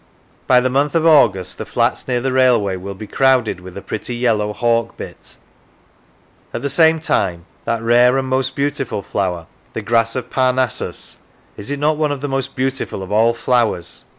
By the month of August the flats near the railway will be crowded with a pretty yellow hawkbit. At the same time that rare and most beautiful flower, the grass of Parnassus (is it not one of the most beautiful of all flowers